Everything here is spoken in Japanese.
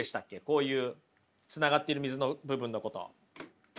こういうつながっている水の部分のこと。